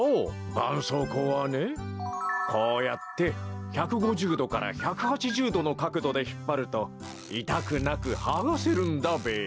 ばんそうこうはねこうやって１５０どから１８０どのかくどでひっぱるといたくなくはがせるんだべや。